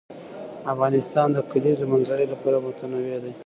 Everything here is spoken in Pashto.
افغانستان د د کلیزو منظره له پلوه متنوع دی.